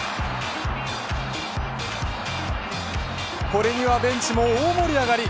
これにはベンチも大盛り上がり。